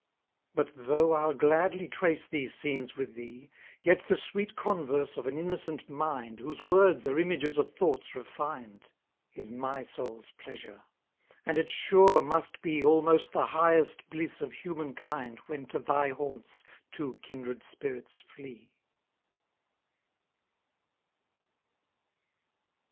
But though I'll gladly trace these scenes with thee, Yet the sweet converse of an innocent mind, Whose words are images of thoughts refin'd, Is my soul's pleasure; and it sure must be Almost the highest bliss of human kind, When to thy haunts two kindred spirits flee.